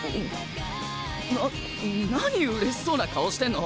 な何うれしそうな顔してんの？